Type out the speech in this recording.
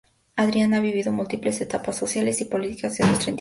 Adrián ha vivido múltiples etapas sociales y políticas de nuestra entidad.